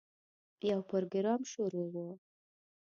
یو پروګرام شروع و.